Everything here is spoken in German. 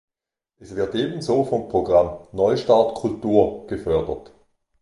Es wird ebenso vom Programm Neustart Kultur gefördert.